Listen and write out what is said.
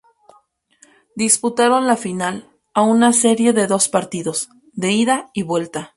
Disputaron la final, a una serie de dos partidos, de ida y vuelta.